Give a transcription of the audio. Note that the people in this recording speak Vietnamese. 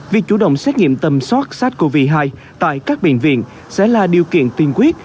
việc chủ động xét nghiệm tầm soát sars cov hai tại các bệnh viện sẽ là điều kiện tiên quyết